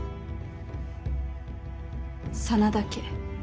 真田家